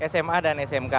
sma dan smk